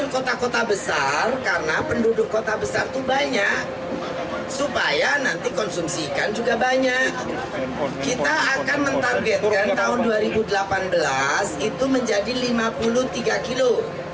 konsumsi ikan juga banyak kita akan mentanggitkan tahun dua ribu delapan belas itu menjadi lima puluh tiga kilo